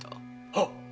はっ。